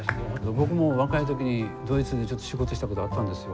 僕も若い時にドイツでちょっと仕事したことあったんですよ。